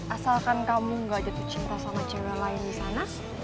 asalkan kamu gak jatuh cinta sama cewek lain di sana